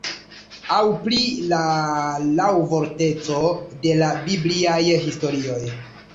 Aŭ pri la laŭvorteco de la bibliaj historioj.